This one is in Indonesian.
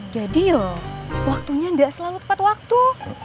jadi waktunya gak selalu tepat waktu